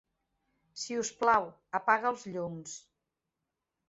Si us plau, apaga els llums.